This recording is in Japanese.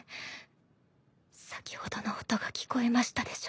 先ほどの音が聞こえましたでしょう。